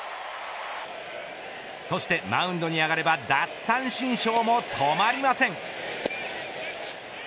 そしてマウンドに上がれば奪三振ショーも止まりません。